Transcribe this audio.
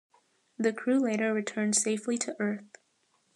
The crew later returned safely to Earth.